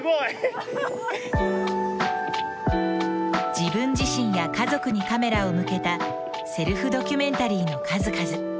自分自身や家族にカメラを向けたセルフドキュメンタリーの数々。